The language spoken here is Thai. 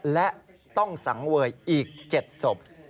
และต้องสังเวยอีก๗ศพ